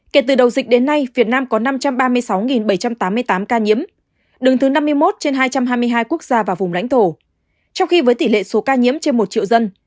kể từ đầu dịch đến nay việt nam có năm trăm ba mươi sáu bảy trăm tám mươi tám ca nhiễm đứng thứ năm mươi một trên hai trăm hai mươi hai quốc gia và vùng lãnh thổ trong khi với tỷ lệ số ca nhiễm trên một triệu dân